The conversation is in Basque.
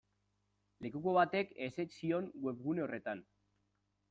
Lekuko batek ezetz zioen webgune horretan.